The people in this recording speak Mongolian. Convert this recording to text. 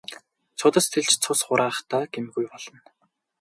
Судас тэлж цус хураахдаа гэмгүй болно.